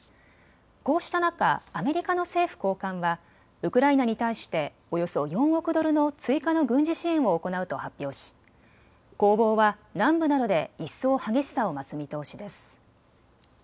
こうした中、アメリカの政府高官はウクライナに対しておよそ４億ドルの追加の軍事支援を行うと発表し攻防は南部などで一層、激しさを増す見通しです。